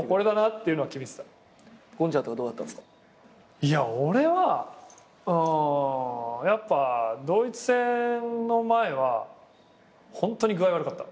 いや俺はやっぱドイツ戦の前はホントに具合悪かった。